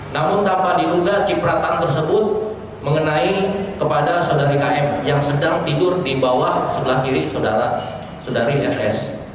namun tanpa diduga cipratan tersebut mengenai kepada saudari km yang sedang tidur di bawah sebelah kiri saudara saudari ss